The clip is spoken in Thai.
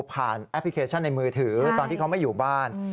แอปพลิเคชันในมือถือตอนที่เขาไม่อยู่บ้าน